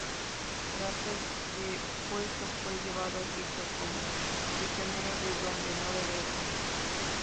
Tras ser depuesto, fue llevado a Egipto como prisionero, de donde no regresó.